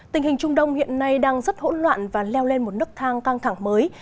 tình hình trung đông hiện nay đang rất hỗn loạn và leo lên một nức thang căng thẳng mới